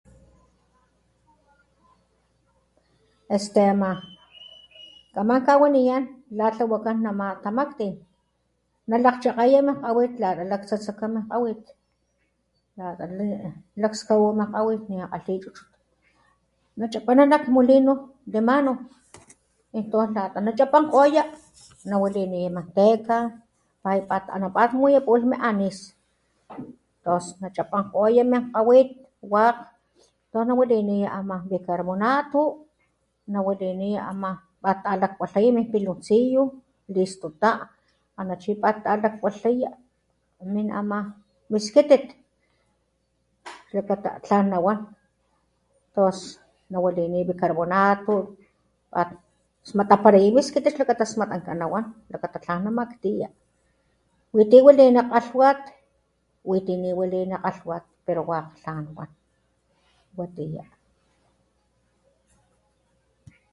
Este ama kaman kawaniyan la tlawakan nama tamaktin: nalakgchakgaya min kgawit lata laktsatsaka min kgawit lata lakskawawa min kgawit nikgalhi chuchut. Nachapana nak molino de mano, entons lata nachapankgoya nawaliniya manteca ana pat muya pulh min anis lata tons nachapangkoya min kgawit wakg tos nawaliniya ama bicarbonato, nawaliniya ama, pat talakwalhaya min piloncillo, listo ta ana chi pattalakwalhaya min ama min skitit xlakata tlan nawan tons nawaliniya bicarbabonato pat smataparaya min skitit, xlakata smatanka nawan, xlakata tlan namakktiya, witi walini kgalhwat, witi niwalini kgalhwat pero wakg tlan wan watiya.